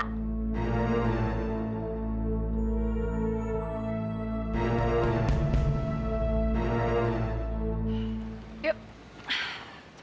aku mau nanya sebenarnya